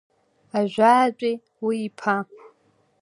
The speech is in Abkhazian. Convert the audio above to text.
Ажәаатәи, уи иԥа…